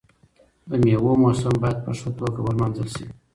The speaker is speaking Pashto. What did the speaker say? د میوو موسم باید په ښه توګه ولمانځل شي.